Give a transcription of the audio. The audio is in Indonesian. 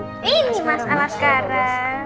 ini mas alakara